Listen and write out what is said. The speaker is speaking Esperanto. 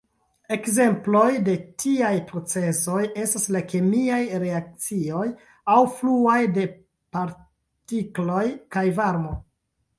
Ekzemploj de tiaj procezoj estas la kemiaj reakcioj aŭ fluoj de partikloj kaj varmo.